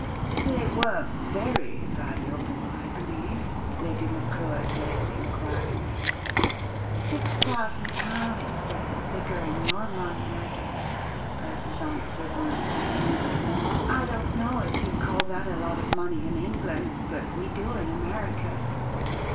"They were very valuable, I believe?" Lady Maclure said, inquiringly. " Six thousand pounds was the figure in your money, I guess," Persis answered, rue¬ fully. £t I don't know if you call that a lot of money in England, but we do in America."